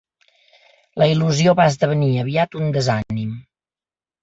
La il·lusió va esdevenir aviat un desànim.